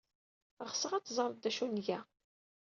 Ɣseɣ ad teẓred d acu ay nga.